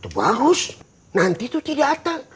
bagus nanti tuh tidak atas